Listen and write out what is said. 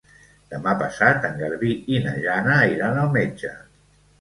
Demà passat en Garbí i na Jana iran al metge.